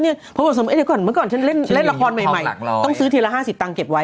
เดี๋ยวก่อนฉันเล่นละครใหม่ต้องซื้อทีละ๕๐ตังค์เก็บไว้